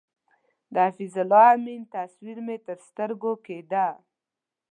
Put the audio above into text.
د حفیظ الله امین تصویر مې تر سترګو کېده.